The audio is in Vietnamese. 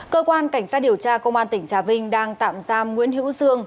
cơ quan cảnh sát điều tra công an tỉnh trà vinh đang tạm giam nguyễn hữu dương